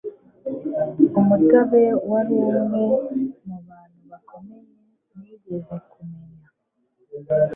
umutobe wari umwe mu bantu bakomeye nigeze kumenya